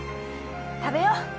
食べよう。